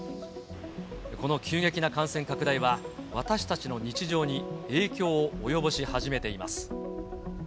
この急激な感染拡大は、私たちの日常に影響を及ぼし始めています。